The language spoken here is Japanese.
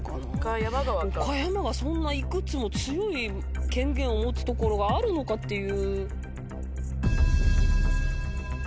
岡山がそんないくつも強い権限を持つ所があるのかっていう。